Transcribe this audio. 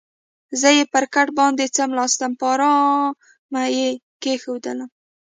زه یې پر کټ باندې څملاستم، په آرامه یې کېښودلم.